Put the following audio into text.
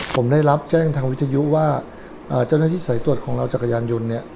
ผมได้รับแจ้งทางวิทยุว่าเจ้าหน้าที่สายตรวจของเราจักรยานยนต์เนี่ย